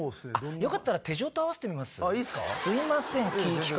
よかったら、手錠と合わせていいですか？